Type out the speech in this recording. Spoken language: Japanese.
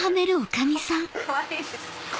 かわいいですか？